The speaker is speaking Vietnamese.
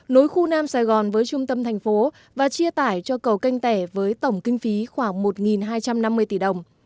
nối khu nam sài gòn với trung tâm thành phố và chia tải cho cầu canh tẻ với tổng kinh phí khoảng một hai trăm năm mươi tỷ đồng